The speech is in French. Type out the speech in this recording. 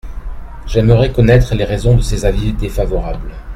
J’aimerais connaître les raisons de ces avis défavorables.